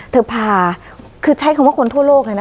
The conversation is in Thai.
พาคือใช้คำว่าคนทั่วโลกเลยนะ